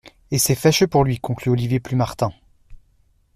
Et c'est fâcheux pour lui, conclut Olivier Plumartin.